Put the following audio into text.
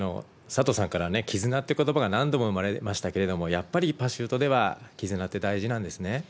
佐藤さんから絆っていうことばが何度も生まれましたけれども、やっぱりパシュートでは絆って大事なんですね。